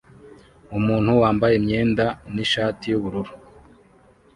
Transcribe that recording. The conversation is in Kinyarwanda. Umuntu wambaye imyenda nishati yubururu